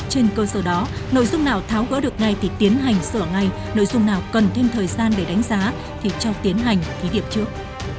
trên cơ sở đó nội dung nào tháo gỡ được ngay thì tiến hành sửa ngay nội dung nào cần thêm thời gian để đánh giá thì cho tiến hành thí điểm trước